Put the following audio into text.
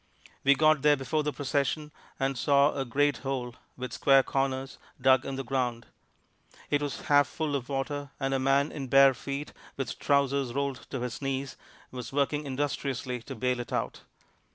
We got there before the procession, and saw a great hole, with square corners, dug in the ground. It was half full of water, and a man in bare feet, with trousers rolled to his knees, was working industriously to bail it out.